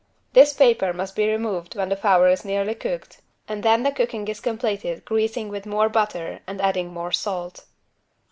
This paper must be removed when the fowl is nearly cooked, and then the cooking is completed greasing with more butter and adding more salt.